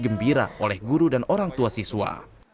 gembira oleh guru dan orang tua siswa